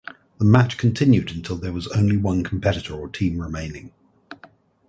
The match continued until there was only one competitor or team remaining.